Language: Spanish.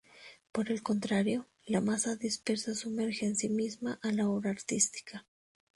Por el contrario, la masa dispersa sumerge en sí misma a la obra artística.